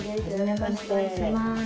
よろしくお願いします。